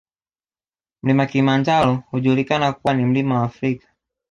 Mlima Kilimanjaro hujulikana kuwa kuwa ni mlima wa Afrika